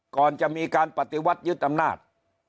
ก่อนจะมีการปฏิวัติยึดอำนาจ